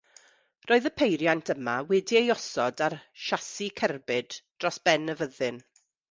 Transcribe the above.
Roedd y peiriant yma wedi ei osod ar shasi cerbyd dros ben y fyddin.